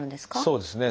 そうですね。